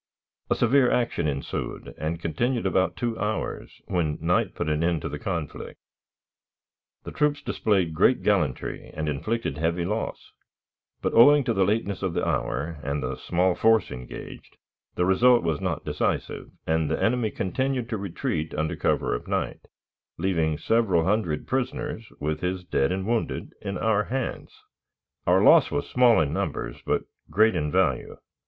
A severe action ensued, and continued about two hours, when night put an end to the conflict. The troops displayed great gallantry, and inflicted heavy loss; but, owing to the lateness of the hour and the small force engaged, the result was not decisive, and the enemy continued his retreat under cover of night, leaving several hundred prisoners, with his dead and wounded, in our hands. Our loss was small in numbers but great in value.